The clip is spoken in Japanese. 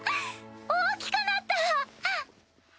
大きくなった！